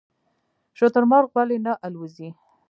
شترمرغ ولې نه الوځي؟